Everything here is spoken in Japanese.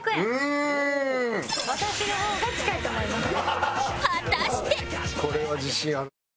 私の方が近いと思います。